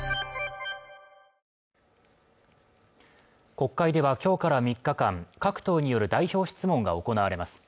国会ではきょうから三日間各党による代表質問が行われます